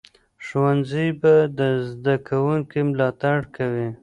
ښوونځی به د زده کوونکو ملاتړ کوي.